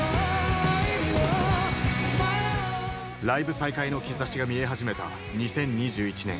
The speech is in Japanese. ライブ再開の兆しが見え始めた２０２１年。